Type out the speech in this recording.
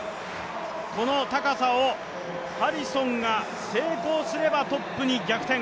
この高さをハリソンが成功すればトップに逆転